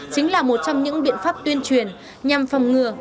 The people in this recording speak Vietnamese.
chính là một trong những biện pháp tuyên truyền nhằm phòng ngừa